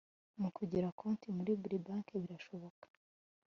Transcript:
mukugira Konti muri buri banke birashoboka